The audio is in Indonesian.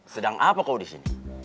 sedang apa kau disini